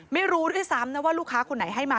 ไม่รู้ด้วยซ้ำนะว่าลูกค้าคนไหนให้มา